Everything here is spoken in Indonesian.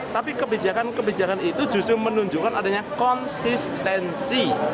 tapi kebijakan kebijakan itu justru menunjukkan adanya konsistensi